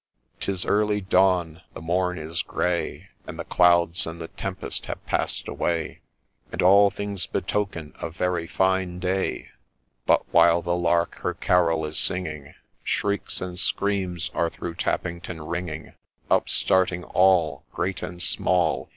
*Tis early dawn— the morn is grey, And the clouds and the tempest have pass'd away, And all things betoken a very fine day ; But, while the lark her carol is singing, Shrieks and screams are through Tappington ringing t Upstarting all, Great and small.